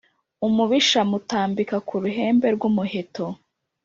Umubisha mutambika ku ruhembe rw’umuheto.